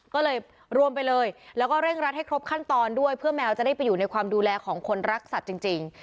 ก็เลยรวมไปเลยแล้วก็เร่งรัดให้ครบขั้นตอนด้วยเพื่อแมวจะได้ไปอยู่ในความดูแลของคนรักสัตว์จริง